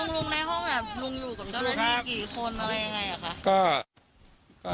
ลุงในห้องลุงอยู่กับเจ้าหน้าที่กี่คนอะไรยังไงอ่ะคะ